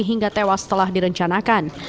hingga tewas telah direncanakan